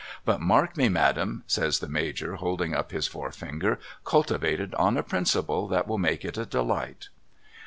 But mark me Madam,' says the Major holding up his forefinger ' cultivated on a principle that will make it a delight.'